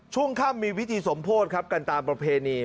ช่วงค่ำมีพิธีสมโพธิครับกันตามประเพณี